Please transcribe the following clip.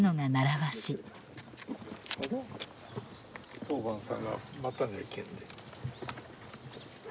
当番さんが待たにゃいけんで。